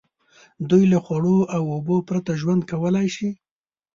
دوی له خوړو او اوبو پرته ژوند کولای شي.